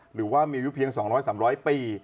หรือว่ามีอายุเพียง๒๐๐๓๐๐ปี